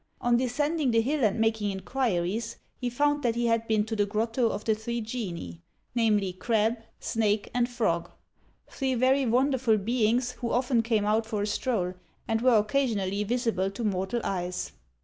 On descending the hill and making inquiries, he found that he had been to the Grotto of the Three Genii namely, Crab, Snake, and Frog, three very wonderful beings, who often came out for a stroll, and were occasionally visible to mortal eyes.